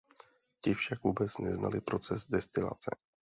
Ti však vůbec neznali proces destilace.